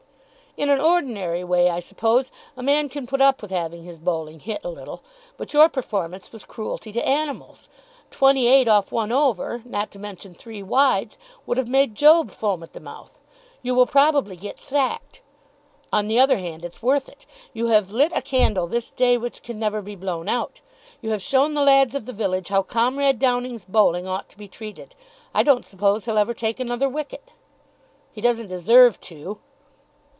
"In an ordinary way, I suppose, a man can put up with having his bowling hit a little. But your performance was cruelty to animals. Twenty eight off one over, not to mention three wides, would have made Job foam at the mouth. You will probably get sacked. On the other hand, it's worth it. You have lit a candle this day which can never be blown out. You have shown the lads of the village how Comrade Downing's bowling ought to be treated. I don't suppose he'll ever take another wicket." "He doesn't deserve to."